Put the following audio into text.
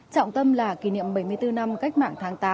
trọng tâm là kỷ niệm bảy mươi bốn năm cách mạng tháng tám